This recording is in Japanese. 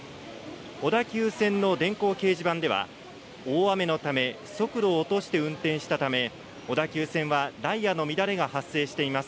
小田急線の電光掲示板では大雨のため、速度を落として運転したため小田急線はダイヤの乱れが発生しています。